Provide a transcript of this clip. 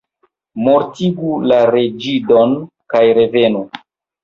Mortigu la reĝidon kaj revenu!